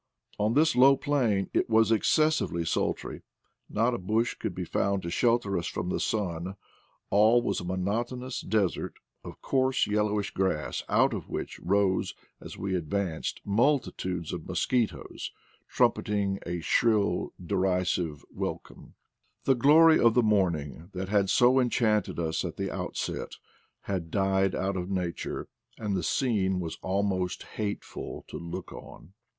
On this low plain it was excessively sultry; not a bush could be found to shelter us from the sun : all was a monotonous desert of coarse yellowish grass, out of which rose, as we advanced, multitudes of mosquitoes, trumpeting a shrill derisive welcome. The glory { 12 IDLE DAYS IN PATAGONIA of the morning that had so enchanted us at the outset had died out of nature, and the scene was almost hateful to look on.